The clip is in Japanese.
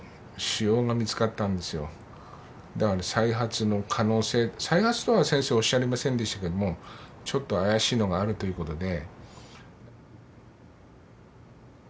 だから再発の可能性再発とは先生おっしゃいませんでしたけどもちょっと怪しいのがあるということで。